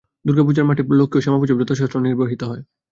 দুর্গাপূজার পর মঠে লক্ষ্মী ও শ্যামাপূজাও যথাশাস্ত্র নির্বাহিত হয়।